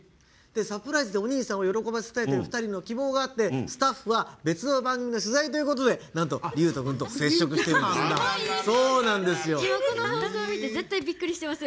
サプライズでお兄さんを喜ばせたいという２人の希望があってスタッフは別の番組の取材ということでなんと、琉斗君と接触しているんです。